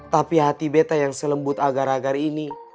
tapi hati beta yang selembut agar agar ini